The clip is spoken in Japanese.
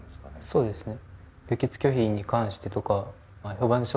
そうですね。